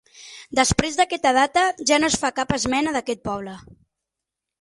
Després d'aquesta data ja no es fa cap esmena d'aquest poble.